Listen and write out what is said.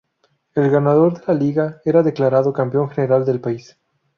El ganador de la liga era declarado campeón general del país.